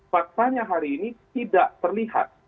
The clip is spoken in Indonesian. faktanya hari ini tidak terlihat